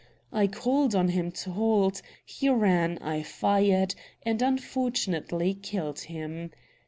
I called on him to halt; he ran, I fired, and unfortunately killed him.